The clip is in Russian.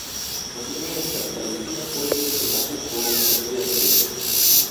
Разумеется, Палестина пользуется нашей полной поддержкой.